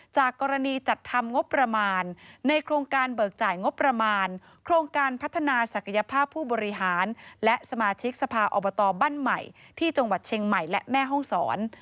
จากกรณีจัดทำงบประมาณในโครงการเบิกจ่ายงบประมาณโครงการพัฒนาศักยภาพผู้บริหารและสมาชิกสภาอบตบ้านใหม่ที่จังหวัดเชียงใหม่และแม่ห้องศร